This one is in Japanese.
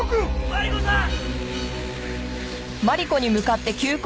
マリコさん！